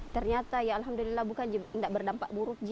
ternyata ya alhamdulillah bukan tidak berdampak buruk